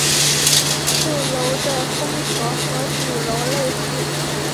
配楼的风格和主楼类似。